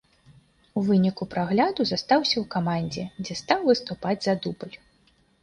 У выніку прагляду застаўся ў камандзе, дзе стаў выступаць за дубль.